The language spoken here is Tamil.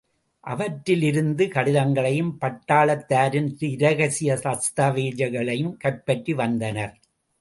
அவற்றிலிருந்த கடிதங்களையும், பட்டாளத்தாரின் இரகசிய தஸ்தாவேஜுகளையும் கைப்பற்றிவந்தனர்.